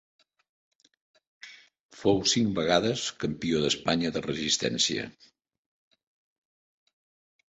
Fou cinc vegades campió d'Espanya de resistència.